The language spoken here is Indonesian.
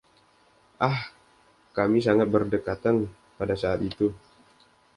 Ah, kami sangat berdekatan pada saat itu.